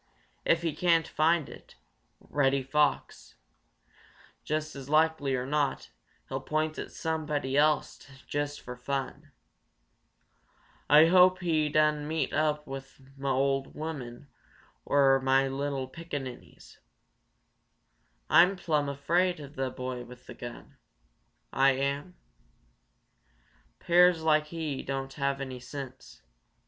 If he can't find Reddy Fox, just as likely as not he'll point it at somebody else just fo' fun. Ah hope he doan meet up with mah ol' woman or any of mah li'l' pickaninnies. Ah'm plumb afraid of a boy with a gun, Ah am. 'Pears like he doan have any sense.